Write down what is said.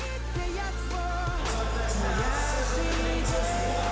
やった！